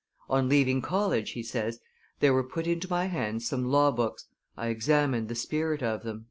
"On leaving college," he says, "there were put into my hands some law books; I examined the spirit of them."